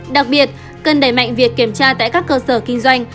đặc biệt cần đẩy mạnh việc kiểm tra tại các cơ sở kinh doanh